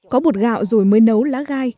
có bột gạo rồi mới nấu lá gai